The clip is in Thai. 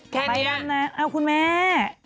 แค่นี้นะเอาคุณแม่